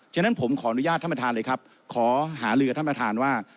ฉะนั้นผมขออนุญาตท่านประธานเลยครับขอหาลือท่านประธานว่า